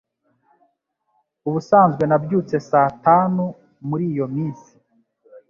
Ubusanzwe nabyutse saa tanu muri iyo minsi.